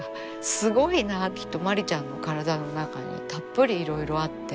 きっとまりちゃんの体の中にたっぷりいろいろあって。